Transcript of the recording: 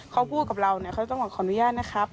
เขาพูดกับเราเขาต้องบอกขออนุญาตนะครับ